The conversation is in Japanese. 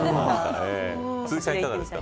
鈴木さん、いかがですか。